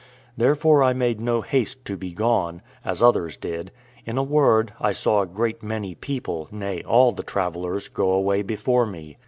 Therefore I made no haste to be gone, as others did: in a word, I saw a great many people, nay, all the travellers, go away before me.